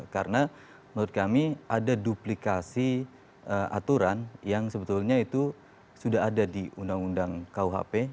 karena menurut kami ada duplikasi aturan yang sebetulnya itu sudah ada di undang undang kuhp